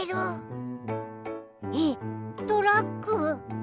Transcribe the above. えっ？トラック？